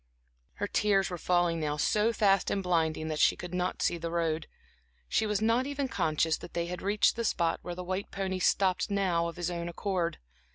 Her tears were falling now so fast and blinding that she could not see the road; she was not even conscious that they had reached the spot where the white pony stopped now of his own accord.